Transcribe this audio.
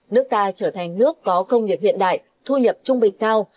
nước ta trở thành nước có công nghiệp hiện đại thu nhập trung bình cao